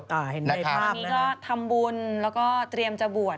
มิก็ทำบุญแล้วก็เตรียมจะบวช